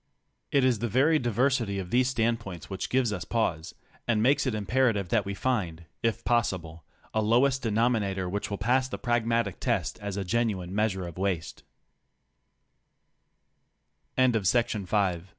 It is the very diversity of these standpoints which gives us pause, and makes it imperative that we find if possible a lowest denominator which will pass the pragmatic test as a genuine measure o